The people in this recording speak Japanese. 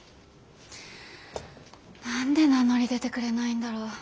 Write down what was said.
何で名乗り出てくれないんだろう。